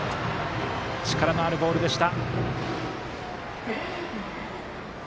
力のあるボールでした。